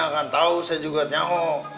akan tau saya juga tahu